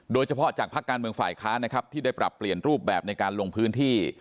โดยเฉพาะจากภาคการเมืองฝ่ายค้านนะครับที่ได้ปรับเปลี่ยนรูปแบบในการลงพื้นที่